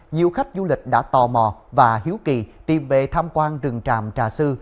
nhiều khách du lịch đã tò mò và hiếu kỳ tìm về tham quan rừng tràm trà sư